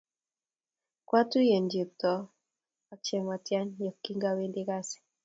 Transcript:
Kwatuyen Cheptoo ak Chematian ye kingawendi gasi